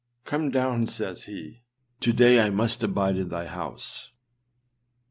âCome down,â says he, âto day I must abide in thy house.